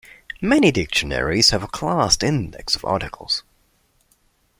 Many dictionaries have a classed index of articles.